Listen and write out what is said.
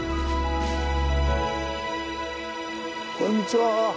こんにちは。